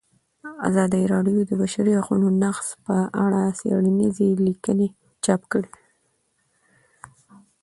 ازادي راډیو د د بشري حقونو نقض په اړه څېړنیزې لیکنې چاپ کړي.